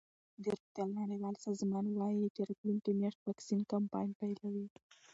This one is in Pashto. د روغتیا نړیوال سازمان وايي چې راتلونکې میاشت واکسین کمپاین پیلوي.